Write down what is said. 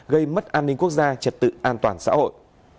gây mất an ninh quốc gia trật tự an toàn xã hội